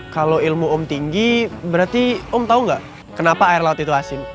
kalau ilmu om tinggi berarti om tahu nggak kenapa air laut itu asin